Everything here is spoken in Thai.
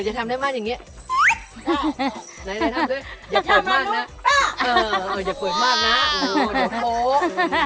อยากพูดอะไรอยากพูดไทยก่อนหรืออยากพูดภาษามือก่อน